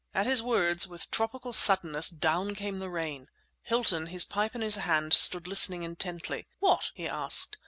At his words, with tropical suddenness down came the rain. Hilton, his pipe in his hand, stood listening intently. "What?" he asked.